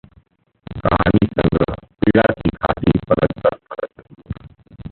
कहानी संग्रह: पीड़ा की घाटी परत-दर-परत